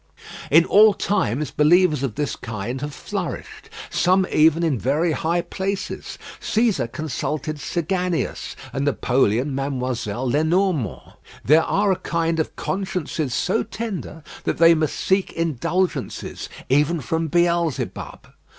In all times, believers of this kind have flourished; some even in very high places. Cæsar consulted Saganius, and Napoleon Mademoiselle Lenormand. There are a kind of consciences so tender, that they must seek indulgences even from Beelzebub.